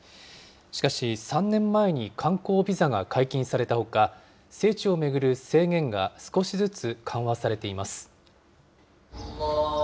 しかし、３年前に観光ビザが解禁されたほか、聖地を巡る制限が少しずつ緩和されています。